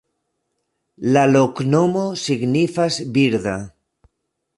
La loknomo signifas: birda.